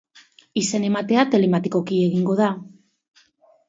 Izen ematea telematikoki egingo da.